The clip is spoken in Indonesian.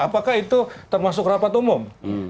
apakah itu termasuk rapat umum